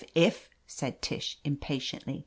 If r said Tish impatiently.